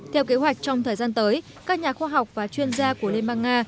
theo kế hoạch trong thời gian tới các nhà khoa học và chuyên gia của liên bang nga